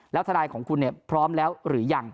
แล้วถ้านายของคุณเนี่ยพร้อมแล้วหรือยัง